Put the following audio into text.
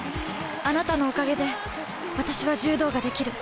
あなたのおかげで私は柔道ができる。